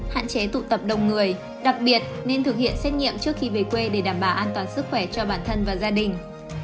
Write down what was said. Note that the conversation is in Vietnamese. hạn chế tụ tập đông người đặc biệt nên thực hiện xét nghiệm trước khi về quê để đảm bảo an toàn sức khỏe cho bản thân và gia đình